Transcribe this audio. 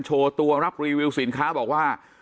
โชว์ตัวรับรีวิวสินค้าบอกว่า